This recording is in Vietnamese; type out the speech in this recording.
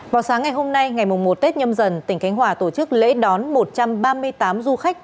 vào sáng ngày hôm nay ngày một tết nhâm dần tỉnh khánh hòa tổ chức lễ đón một trăm ba mươi tám du khách